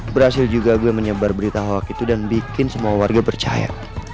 berhasil juga gue menyebar berita hoax itu dan bikin semua warga percaya